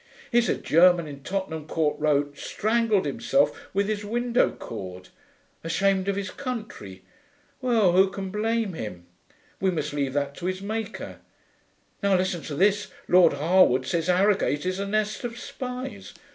'Here's a German in Tottenham Court Road strangled himself with his window cord. Ashamed of his country. Well, who can blame him? We must leave that to his Maker. Now listen to this: Lord Harewood says Harrogate is a nest of spies.